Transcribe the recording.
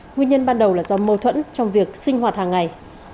nguyên nhân ban đầu là do mâu thuẫn trong việc sinh hoạt hàng ngày